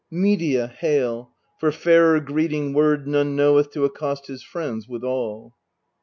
Medea, hail ! for fairer greeting word None knoweth to accost his friends withal.